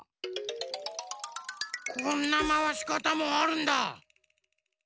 こんなまわしかたもあるんだ。